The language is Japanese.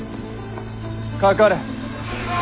かかれ。